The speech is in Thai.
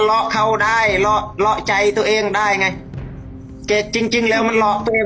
ล้อเขาได้ล้อล้อใจตัวเองได้ไงจริงแล้วมันล้อตัวเอง